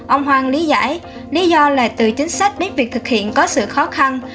ông hoàng lý giải lý do là từ chính sách đến việc thực hiện có sự khó khăn